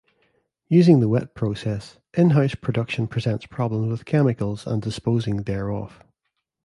Using the wet process, in-house production presents problems with chemicals and disposing thereof.